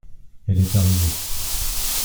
Elle est arrivée.